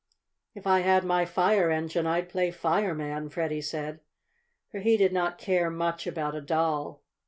"If I had my fire engine I'd play fireman," Freddie said, for he did not care much about a doll.